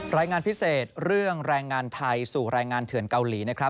รายงานพิเศษเรื่องแรงงานไทยสู่รายงานเถื่อนเกาหลีนะครับ